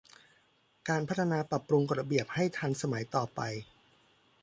การพัฒนาปรับปรุงกฎระเบียบให้ทันสมัยต่อไป